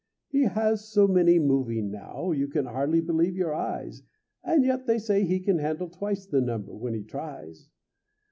He has so many moving now, You can hardly believe your eyes; And yet they say he can handle twice The number when he tries.